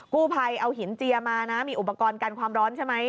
กู้ภัยเอาหินเจียมานะมีอุปกรณ์กันความร้อนใช่ไหม